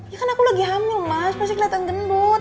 ya kan aku lagi hamil mas pasti kelihatan gendut